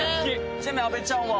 ちなみに阿部ちゃんは？